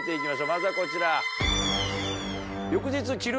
まずはこちら。